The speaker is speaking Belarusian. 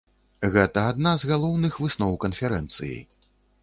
Гэта адна з галоўных высноў канферэнцыі.